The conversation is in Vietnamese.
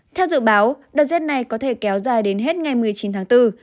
theo dự báo đợt rét này có thể kéo dài đến hết ngày một mươi chín tháng bốn